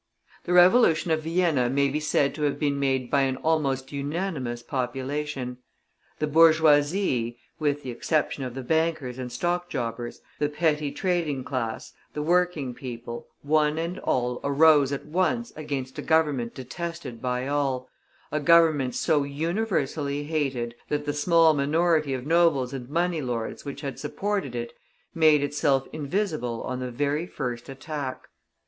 The Revolution of Vienna may be said to have been made by an almost unanimous population. The bourgeoisie (with the exception of the bankers and stock jobbers), the petty trading class, the working people, one and all arose at once against a Government detested by all, a Government so universally hated, that the small minority of nobles and money lords which had supported it made itself invisible on the very first attack.